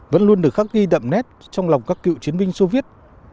vẫn luôn được khắc ghi đậm nét trong lòng các cựu chiến binh xô viết